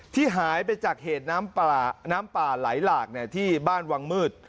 ที่หายไปจากเหตุน้ำป่าไหลหลากที่บ้านวังมืด